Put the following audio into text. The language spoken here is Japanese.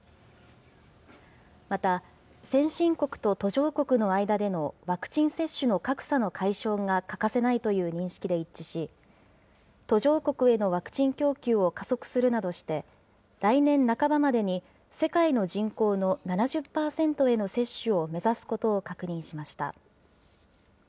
また、先進国と途上国の間でのワクチン接種の格差の解消が欠かせないという認識で一致し、途上国へのワクチン供給を加速するなどして、来年半ばまでに世界の人口の７０％への接種を目指すことを確認しました。